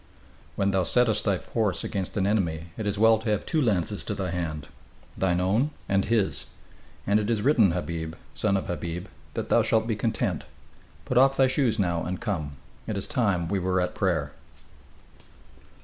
"When thou settest thy horse against an enemy it is well to have two lances to thy hand thine own and his. And it is written, Habib, son of Habib, that thou shalt be content.... Put off thy shoes now and come. It is time we were at prayer."